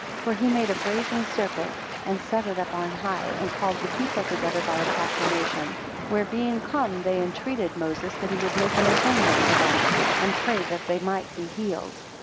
10 For he made a brazen serpent, and set it up on high, and called the people together by a proclamation: where being come, they entreated Moses that he would make an atonement for them, and pray that they might be healed.